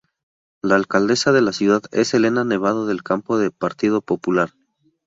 La alcaldesa de la ciudad es Elena Nevado del Campo del Partido Popular.